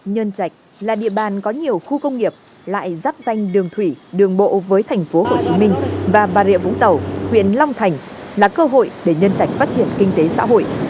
nhân trạch là địa bàn có nhiều khu công nghiệp lại dắp danh đường thủy đường bộ với thành phố hồ chí minh và bà rịa vũng tàu huyện long thành là cơ hội để nhân trạch phát triển kinh tế xã hội